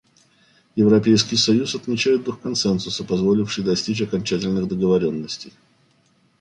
Европейский союз отмечает дух консенсуса, позволивший достичь окончательных договоренностей.